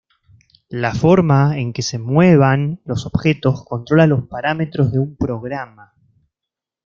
La forma en que se muevan los objetos controla los parámetros de un programa.